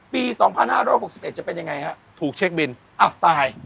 ปีสองพันห้าร้อยหกสิบเอ็ดจะเป็นยังไงฮะถูกเช็คบินอ่ะตาย